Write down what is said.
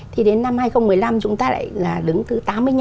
thì đến năm hai nghìn một mươi năm chúng ta lại là đứng thứ tám mươi năm